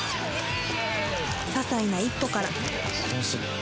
ささいな一歩から